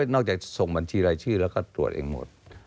จากส่งบัญชีรายชื่อแล้วก็ตรวจเองหมด